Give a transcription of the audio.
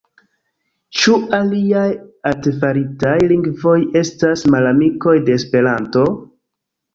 Ĉu aliaj artefaritaj lingvoj estas malamikoj de Esperanto?